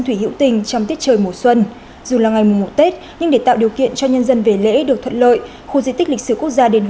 thì lúc đó chúng tôi nghĩ là